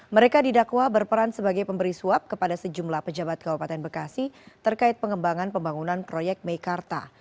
mereka didakwa berperan sebagai pemberi suap kepada sejumlah pejabat kabupaten bekasi terkait pengembangan pembangunan proyek meikarta